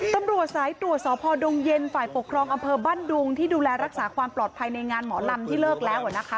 ตำรวจสายตรวจสพดงเย็นฝ่ายปกครองอำเภอบ้านดุงที่ดูแลรักษาความปลอดภัยในงานหมอลำที่เลิกแล้วนะคะ